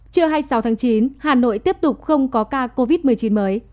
trưa hai mươi sáu tháng chín hà nội tiếp tục không có ca covid một mươi chín mới